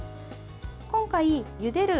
今回、ゆでる